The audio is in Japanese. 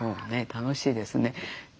楽しいですね。